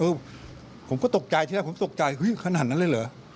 คือผมก็ตกใจทีแรกผมตกใจเฮ้ยขนาดนั้นเลยเหรอ